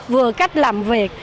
vừa cách làm việc